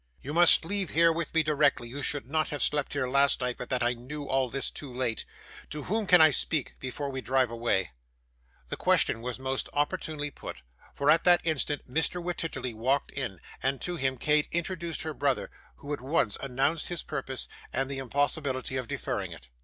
You must leave here with me directly; you should not have slept here last night, but that I knew all this too late. To whom can I speak, before we drive away?' This question was most opportunely put, for at that instant Mr Wititterly walked in, and to him Kate introduced her brother, who at once announced his purpose, and the impossibility of deferring it.